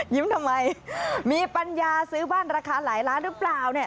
ทำไมมีปัญญาซื้อบ้านราคาหลายล้านหรือเปล่าเนี่ย